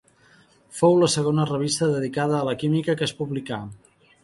Fou la segona revista dedicada a la química que es publicà.